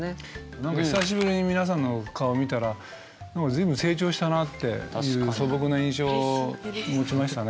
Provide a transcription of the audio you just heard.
何か久しぶりに皆さんの顔見たら随分成長したなっていう素朴な印象を持ちましたね。